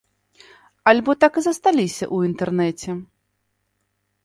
Альбо так і засталіся ў інтэрнэце?